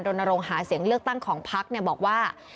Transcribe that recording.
รณรงค์หาเสียงเลือกตั้งของพักบอกว่า